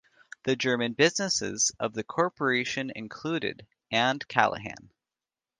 The German businesses of the corporation included and Callahan.